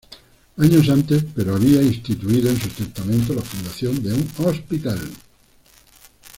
Años antes, pero, había instituido en su testamento la fundación de un hospital.